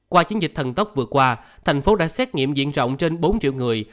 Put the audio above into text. qua chiến dịch thần tốc vừa qua thành phố đã xét nghiệm diện rộng trên bốn triệu người